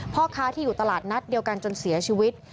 พ่อค้าที่อยู่ตลาดนัดเดียวกันจนเสียชีวิต